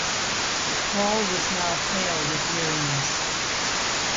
Paul was now pale with weariness.